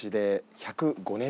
１０５年。